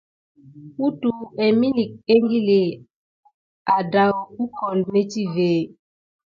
Wutəwa emilik ékili adawu gukole metivé.